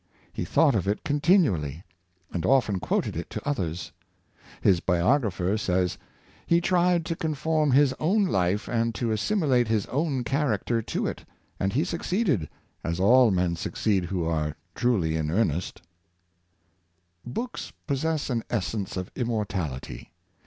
He thought of it continually, and often quoted it to others. His biographer says: "He tried to conform his own life and to assimilate his own character to it; and he succeeded, as all men succeed who are trul}^ in earnest." 35 546 Good Books the Best Society, Books possess an essence of immortality.